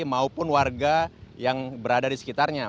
maupun warga yang berada di sekitarnya